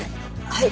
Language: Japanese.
はい。